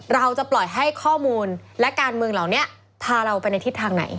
เราจะปล่อยให้ข้อมูลและการเมืองเหล่านี้พาเราไปในทิศทางไหน